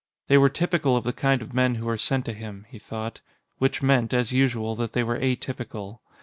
They were typical of the kind of men who were sent to him, he thought. Which meant, as usual, that they were atypical.